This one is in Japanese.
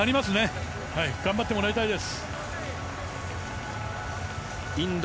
頑張ってもらいたいです。